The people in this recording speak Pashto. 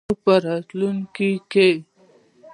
او په راتلونکي کې.